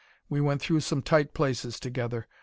We went through some tight places together.